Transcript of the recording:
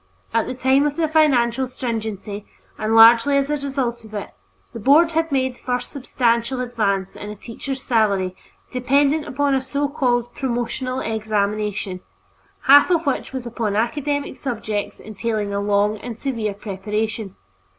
At the time of the financial stringency, and largely as a result of it, the Board had made the first substantial advance in a teacher's salary dependent upon a so called promotional examination, half of which was upon academic subjects entailing a long and severe preparation.